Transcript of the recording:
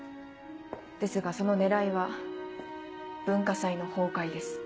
ですがその狙いは文化祭の崩壊です。